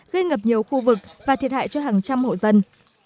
gây ngập nhiều khu vực và thiệt hại cho hàng trăm hộ dân